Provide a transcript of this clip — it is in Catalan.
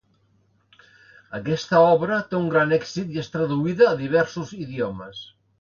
Aquesta obra obté un gran èxit i és traduïda a diversos idiomes.